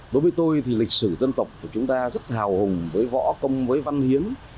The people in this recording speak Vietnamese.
đối với tôi thì lịch sử dân tộc của chúng ta rất hào hùng với võ công với văn hiến